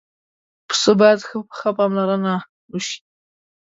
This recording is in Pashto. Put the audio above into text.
پسه باید ښه پاملرنه وشي.